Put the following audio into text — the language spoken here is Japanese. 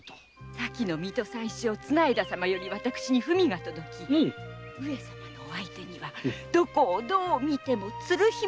先の水戸宰相・綱條様より私に文が届き「上様のお相手にはどこをどう見ても鶴姫が一番」と！